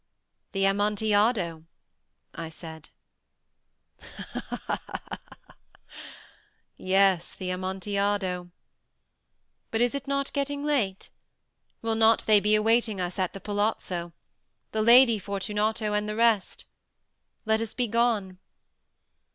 "The Amontillado!" I said. "He! he! he!—he! he! he!—yes, the Amontillado. But is it not getting late? Will not they be awaiting us at the palazzo, the Lady Fortunato and the rest? Let us be gone."